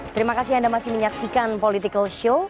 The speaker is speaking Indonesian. terima kasih anda masih menyaksikan political show